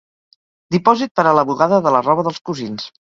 Dipòsit per a la bugada de la roba dels cosins.